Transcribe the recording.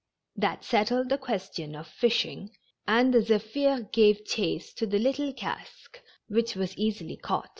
That settled the question of fishing, and the Zephir gave chase to the little cask, which it easily caught.